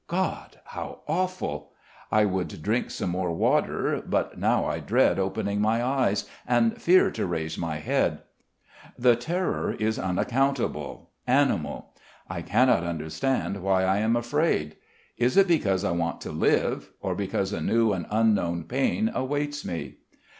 God, how awful! I would drink some more water; but now I dread opening my eyes, and fear to raise my head. The terror is unaccountable, animal. I cannot understand why I am afraid. Is it because I want to live, or because a new and unknown pain awaits me?